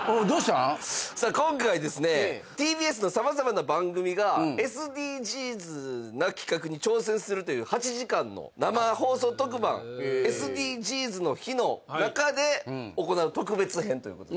今回、ＴＢＳのさまざまな番組がＳＤＧｓな企画に挑戦するという８時間の生放送特番「ＳＤＧｓの日」の中で行う特別編ということで。